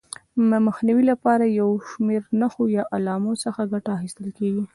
د مخنیوي لپاره له یو شمېر نښو یا علامو څخه ګټه اخیستل کېږي.